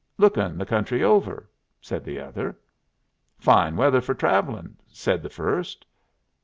"Lookin' the country over," said the other. "Fine weather for travelling," said the first.